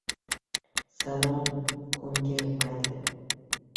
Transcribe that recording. Salom — ko‘ngil mayli.